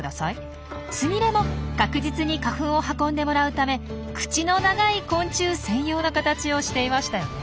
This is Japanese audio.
スミレも確実に花粉を運んでもらうため口の長い昆虫専用の形をしていましたよね。